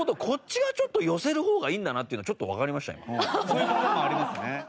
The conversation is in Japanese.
こっちがちょっと寄せる方がいいんだなっていうのがちょっとわかりましたね。